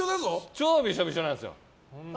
超びしょびしょなんですよ。